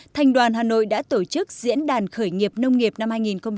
thành đoàn hà nội đã tổ chức diễn đàn khởi nghiệp nông nghiệp năm hai nghìn một mươi chín